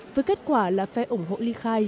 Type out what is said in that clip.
với kết quả là phe ủng hộ ly khai